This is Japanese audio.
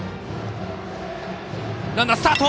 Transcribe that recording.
ランナー、スタート！